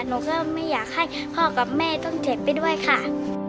หนูก็ไม่อยากให้พ่อกับแม่ต้องเจ็บไปด้วยค่ะ